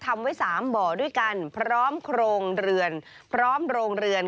ทำไว้๓บ่อด้วยกันพร้อมโครงเรือน